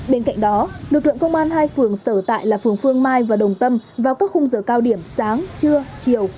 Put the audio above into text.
bên cạnh đó lực lượng công an hai phường sở tại là phường phương mai và đồng tâm vào các khung giờ cao điểm sáng trưa chiều